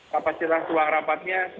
kapasitas ruang rapatnya